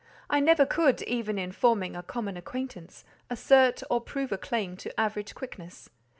I never could, even in forming a common acquaintance, assert or prove a claim to average quickness.